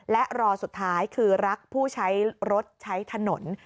และรอสุดท้ายคือรักผู้ใช้รถใช้ถนน